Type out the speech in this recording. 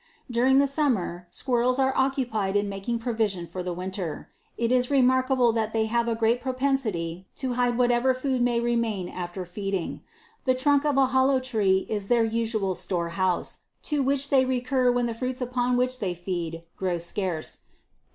During the sum mer, squirrels are occupied in making provision for the winter ; it is remarked that they have a great propensity to hide what ever food may remain after feeding. The trunk of a hollow tree is their usual store house, to which they recur when the fruits upon which they feed grow scarce ; they know how to dis 20. How are Sqninels recognised ?